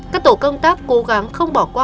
các tổ công tác cố gắng không bỏ qua